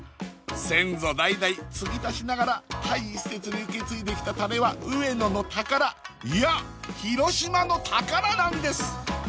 先祖代々継ぎ足しながら大切に受け継いできたタレはうえのの宝いや広島の宝なんです！